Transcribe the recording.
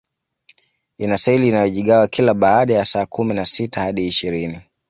Ina seli inayojigawa kila baada ya saa kumi na sita hadi ishirini